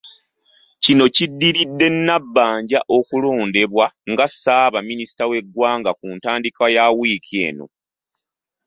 Kino kiddiridde Nabbanja okulondebwa nga Ssaabaminisita w’eggwanga ku ntandikwa ya wiiki eno.